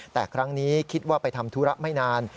แต่ครั้งนี้คิดว่าไปทำธุระไม่นาน